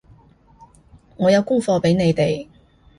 我有功課畀你哋